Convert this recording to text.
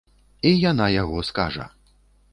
І яна яго скажа.